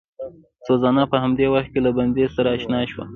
سوزانا په همدې وخت کې له بندي سره اشنا شوه.